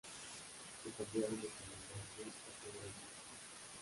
Se cambiaron de comandantes a todos los buques.